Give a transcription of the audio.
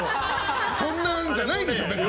そんなんじゃないでしょ、別に。